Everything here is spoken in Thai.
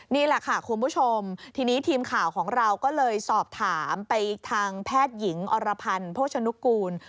นี่แหละค่ะคุณผู้ชมทีนี้ทีมข่าวของเราก็เลยสอบถามไปทางแพทย์หญิงอรพันธ์โภชนุกูล